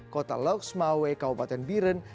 kota loxmawe kabupaten biren